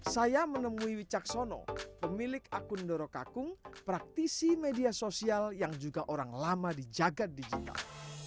saya menemui wicak sono pemilik akun dorok akung praktisi media sosial yang juga orang lama di jagad digital